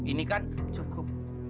ini kan cukup